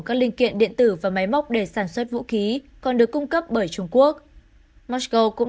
các linh kiện điện tử và máy móc để sản xuất vũ khí còn được cung cấp bởi trung quốc mosco cũng